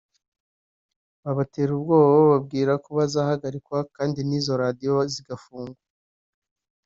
babatera ubwoba bababwira ko bazahagarikwa kandi n’izo radiyo zigafungwa